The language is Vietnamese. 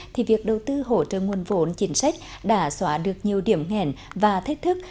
thì việc đầu tư hỗ trợ nguồn vốn chính sách đã xóa được nhiều điểm nghẹn và thách thức